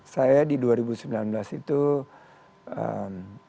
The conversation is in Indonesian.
saya di dua ribu sembilan belas itu berpasangan sama pak orang